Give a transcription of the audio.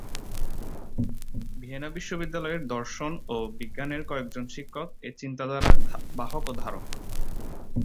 Vienna বিশ্ববিদ্যালয়ের দর্শন ও বিজ্ঞানের কয়েকজন শিক্ষক এ-চিন্তাধারার বাহক ও ধারক।